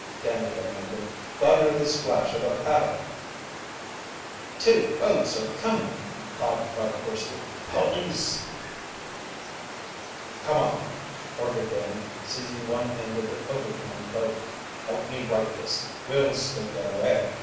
Danny demanded. "Thought I heard the splash of a paddle!" "Two boats are coming!" Hod cried hoarsely. "Police!" "Come on!" ordered Danny, seizing one end of the overturned boat. "Help me right this! We'll still get away!